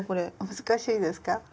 難しいですか？